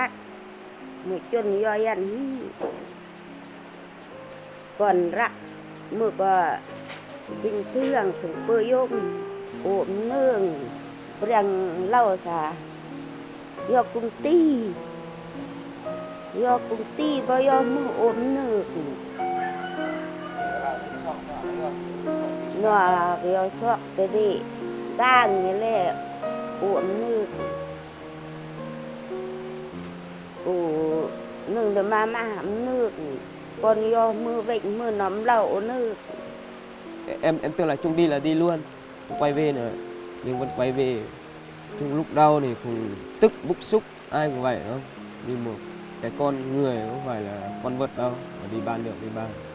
đi một cái con người không phải là con vật đâu phải đi bán được đi bán